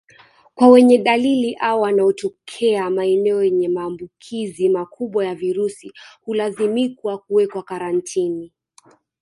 Kwa wenye dalili au wanaotokea maeneo yenye maambukizi makubwa ya virusi hulazimikwa kuwekwa karantini